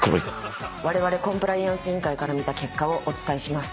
われわれコンプライアンス委員会から見た結果をお伝えします。